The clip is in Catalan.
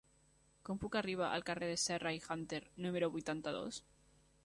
Com puc arribar al carrer de Serra i Hunter número vuitanta-dos?